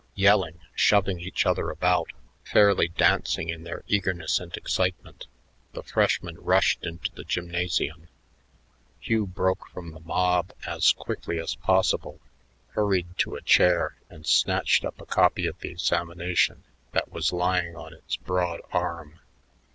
Yelling, shoving each other about, fairly dancing in their eagerness and excitement, the freshmen rushed into the gymnasium. Hugh broke from the mob as quickly as possible, hurried to a chair, and snatched up a copy of the examination that was lying on its broad arm.